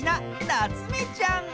なつめちゃん！